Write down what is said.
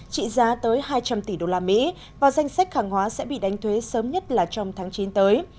trị giá tới hai trăm linh tỷ đô la mỹ và danh sách hàng hóa sẽ bị đánh thuế sớm nhất là trong tháng chín tới